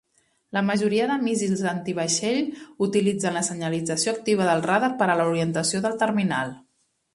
La majoria dels míssils anti-vaixell utilitzen la senyalització activa del radar per a l'orientació del terminal.